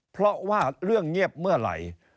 เพราะว่าเรื่องเงียบเมื่อไหร่